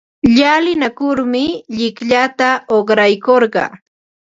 Llalinakurmi llikllata uqraykurqaa.